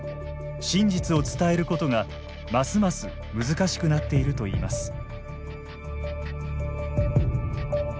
真実を伝えることが、ますます難しくなっていると言います。